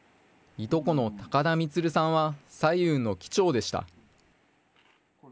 いとこの高田満さんは、彩雲の機長でした。